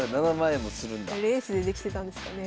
レースでできてたんですかね。